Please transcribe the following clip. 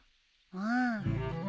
うん。